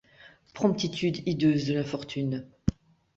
Promptitude hideuse de l’infortune.